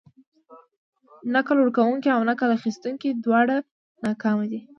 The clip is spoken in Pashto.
نکل ورکونکي او نکل اخيستونکي دواړه ناکامه دي.